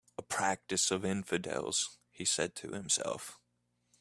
"A practice of infidels," he said to himself.